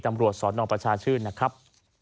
ตำรวจสนประชาชื่นนะครับ